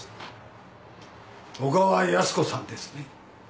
小川靖子さんですね？